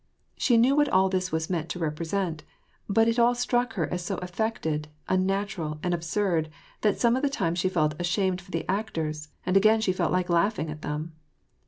She knew what all this was meant to represent, but it all struck her as so affected, unnatiiml, and absurd that some of the time she felt ashamed for the actors, and again she felt like laughing at them.